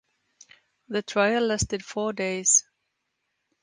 The trial lasted four days.